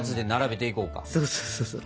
そうそうそうそう。